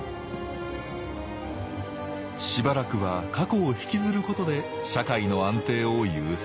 しばらくは過去をひきずることで社会の安定を優先。